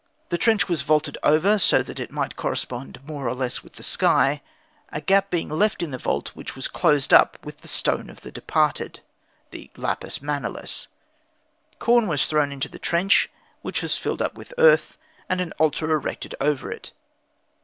The trench was vaulted over, so that it might correspond more or less with the sky, a gap being left in the vault which was closed with the stone of the departed the "lapis manalis." Corn was thrown into the trench, which was filled up with earth, and an altar erected over it.